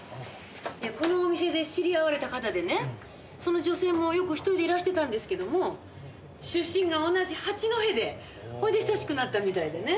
いやこのお店で知り合われた方でねその女性もよく１人でいらしてたんですけども出身が同じ八戸でそれで親しくなったみたいでね。